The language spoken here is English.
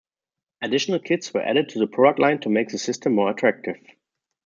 Additional kits were added to the product line to make the system more attractive.